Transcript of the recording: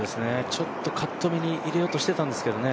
ちょっとカット目に入れようとしてたんですけどね